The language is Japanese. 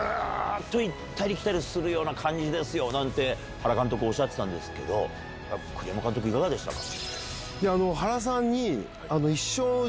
原監督おっしゃってたんですけど栗山監督いかがでしたか？